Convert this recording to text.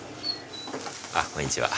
あっこんにちは。